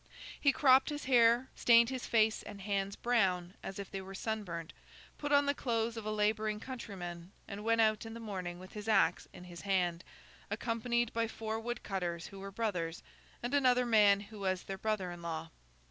He cropped his hair, stained his face and hands brown as if they were sunburnt, put on the clothes of a labouring countryman, and went out in the morning with his axe in his hand, accompanied by four wood cutters who were brothers, and another man who was their brother in law.